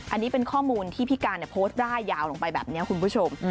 อันนี้เป็นข้อมูลที่พี่การโพสต์ร่ายยาวลงไปแบบนี้คุณผู้ชม